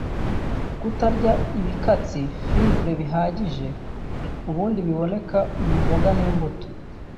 kutarya ibikatsi (fibres) bihagije (ubundi biboneka mu mboga n’imbuto)